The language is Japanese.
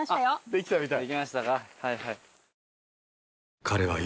できたみたい。